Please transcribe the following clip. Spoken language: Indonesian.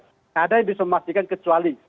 tidak ada yang bisa memastikan kecuali